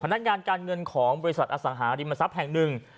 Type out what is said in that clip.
นักงานการเงินของบริษัทอสังหาริมทรัพย์แห่งหนึ่ง